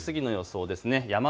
昼過ぎの予想です。